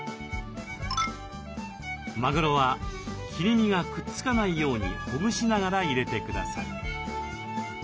マグロは切り身がくっつかないようにほぐしながら入れてください。